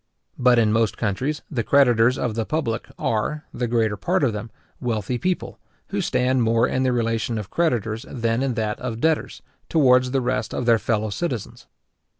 But in most countries, the creditors of the public are, the greater part of them, wealthy people, who stand more in the relation of creditors than in that of debtors, towards the rest of their fellow citizens.